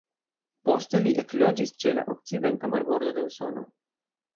Poste li ekloĝis ĉe la okcidenta marbordo de Usono.